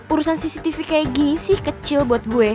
urusan cctv kayak gini sih kecil buat gue